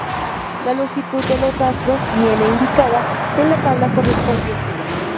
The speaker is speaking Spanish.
La longitud de los rastros viene indicada en la tabla correspondiente.